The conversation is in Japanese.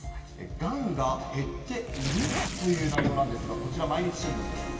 がんが減っているという内容なんですが、こちら、毎日新聞です。